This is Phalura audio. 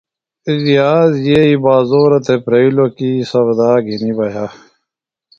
ریاض یئی بازورہ تھےۡ پھرئلِوۡ کی سودا گِھنیۡ بہ یہہ۔